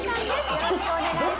よろしくお願いします。